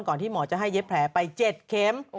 ก่อนที่หมอจะให้เย็บแผลไป๗เคม